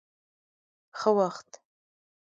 ښه وخت.